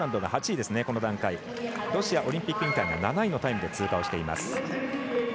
ロシアオリンピック委員会が７位のタイムで通過しています。